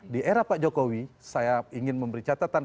di era pak jokowi saya ingin memberi catatan